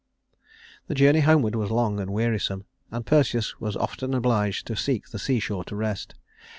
The journey homeward was long and wearisome, and Perseus was often obliged to seek the seashore to rest.